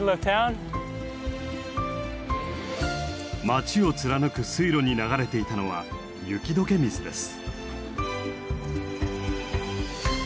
街を貫く水路に流れていたのは雪解け水です。